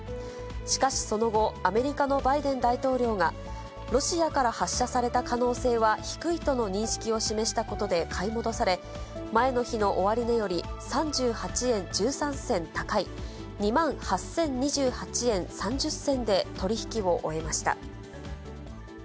しかしその後、アメリカのバイデン大統領が、ロシアから発射された可能性は低いとの認識を示したことで買い戻され、前の日の終値より、３８円１３銭高い、２万８０２８円３０銭で取り引きを終えました。